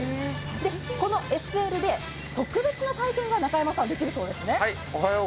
このＳＬで特別な体験ができるそうですね。